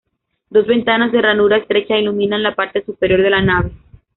Dos ventanas de ranura estrecha iluminan la parte superior de la nave.